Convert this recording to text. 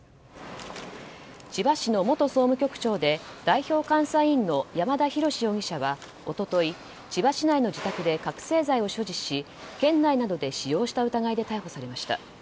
千葉市の元総務局長で代表監査委員の山田啓志容疑者は一昨日、千葉市内の自宅で覚醒剤を所持し、県内などで使用した疑いで逮捕されました。